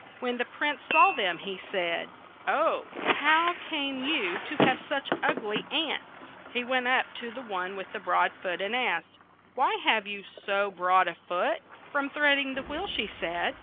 When the prince saw them, he said, "Oh, how came you to have such ug ly aunts?" He went up to the one with the broad foot and asked, "Why have you so broad a foot?" "From treading the wheel," she said.